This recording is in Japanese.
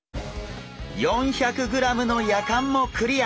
４００ｇのやかんもクリア！